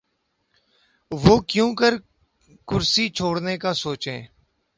وہ کیونکر کرسی چھوڑنے کا سوچیں؟